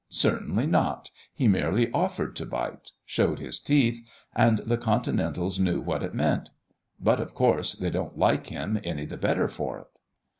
Certainly not, he merely offered to bite showed his teeth and the Continentals knew what it meant. But, of course, they don't like him any the better for it."